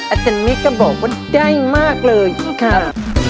อาจารย์มิก็บอกว่าได้มากเลยครับ